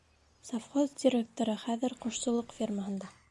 Совхоз директоры хәҙер ҡошсолоҡ фермаһында.